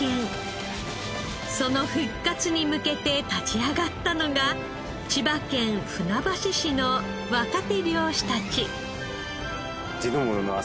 その復活に向けて立ち上がったのが千葉県船橋市の若手漁師たち。